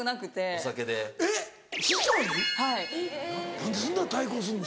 何でそんな対抗すんの？